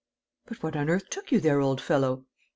"But what on earth took you there, old fellow?"